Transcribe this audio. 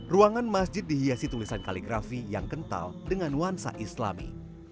ruangan masjid dihiasi tulisan kaligrafi yang kental dengan nuansa islami